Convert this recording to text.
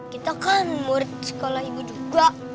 kita kan murid sekolah ibu juga